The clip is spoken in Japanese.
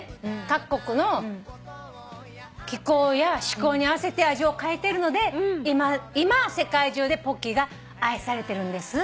各国の気候や嗜好に合わせて味を変えてるので今世界中でポッキーが愛されてるんです。